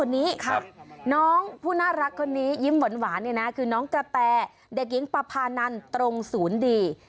นี่ค่ะน้องคนนี้ค่ะกระแตะเด็กหญิงปะพานันตรงศูนย์ดี